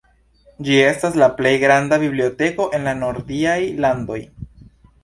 Ĝi estas la plej granda biblioteko en la nordiaj landoj.